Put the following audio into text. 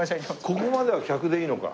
ここまでは客でいいのか。